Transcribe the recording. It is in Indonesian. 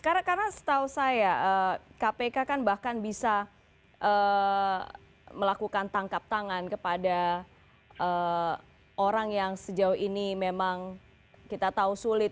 karena setahu saya kpk kan bahkan bisa melakukan tangkap tangan kepada orang yang sejauh ini memang kita tahu sulit